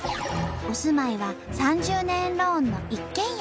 お住まいは３０年ローンの一軒家。